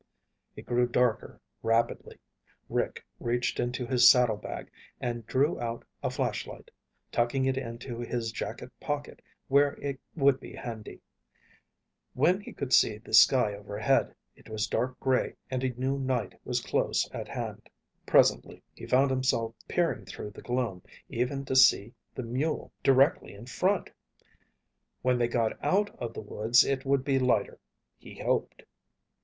It grew darker rapidly. Rick reached into his saddlebag and drew out a flashlight, tucking it into his jacket pocket where it would be handy. When he could see the sky overhead, it was dark gray and he knew night was close at hand. Presently he found himself peering through the gloom even to see the mule directly in front. When they got out of the woods it would be lighter, he hoped.